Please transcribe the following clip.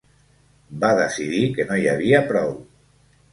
Va decidir que no hi havia prou.